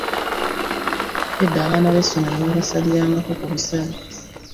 Edda abaana b'essomero babasalirangako kubisale.